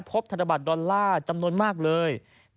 พบธรรมบาทดอลลาร์จำนวนมากเลย